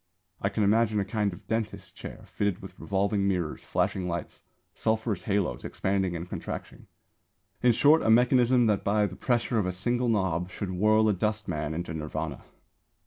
I can imagine a kind of dentist's chair fitted with revolving mirrors, flashing lights, sulphurous haloes expanding and contracting in short a mechanism that by the pressure of a single knob should whirl a dustman into Nirvāna.